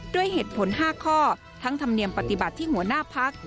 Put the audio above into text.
ด้วยเหตุผล๕ข้อทั้งธรรมเนียมปฏิบัติที่หัวหน้าพัก